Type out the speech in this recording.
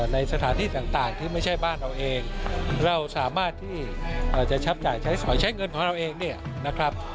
ในสถานที่ต่างที่ไม่ใช่บ้านเราเองเราสามารถที่จะชับจ่ายใช้สอยใช้เงินของเราเองเนี่ยนะครับ